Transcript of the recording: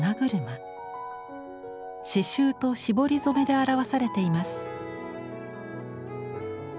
刺繍と絞り染めで表されています。